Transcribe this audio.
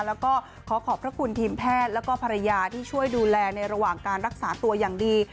แล้วก็ขอขอบพระคุณทีมแพทย์แล้วก็ภรรยาที่ช่วยดูแลในระหว่างการรักษาตัวอย่างดี